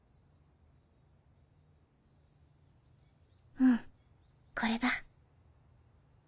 うんこれだ。